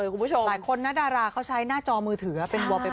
คุณผู้ชมลานคนงานดาราเขาใช้หน้าจอมือถือเป็นวอลเปเปเปอร์